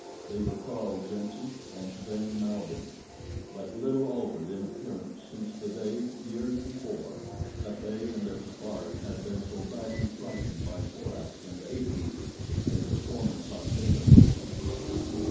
They were Carl Jenssen and Sven Malbihn, but little altered in appearance since the day, years before, that they and their safari had been so badly frightened by Korak and Akut as the former sought haven with them.